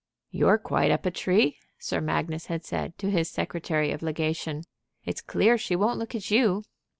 "You're quite up a tree," Sir Magnus had said to his Secretary of Legation. "It's clear she won't look at you."